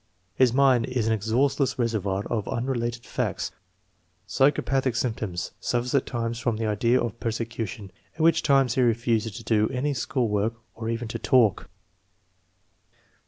His mind is an exhaustless reservoir of unrelated facts. Psychopathic symptoms. Suffers at times from the idea of persecution, at which times he refuses to do any school work or even to talk.